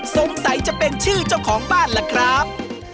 จะเป็นชื่อเจ้าของบ้านล่ะครับ